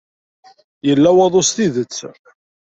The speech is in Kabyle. Yella waḍu s tidet.